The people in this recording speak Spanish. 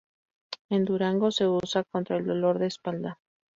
En Durango se usa contra el dolor de espalda.